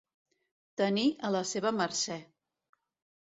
Tenir a la seva mercè.